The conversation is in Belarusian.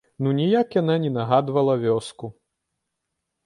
Ну ніяк яна не нагадвала вёску!